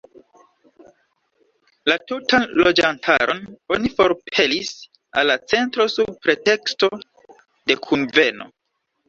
La tutan loĝantaron oni forpelis al la centro sub preteksto de kunveno.